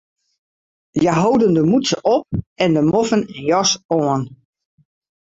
Hja holden de mûtse op en de moffen en jas oan.